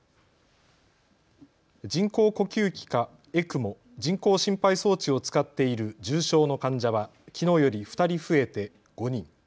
人工呼吸器かＥＣＭＯ・人工心肺装置を使っている重症の患者はきのうより２人増えて５人。